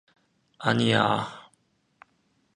아니야.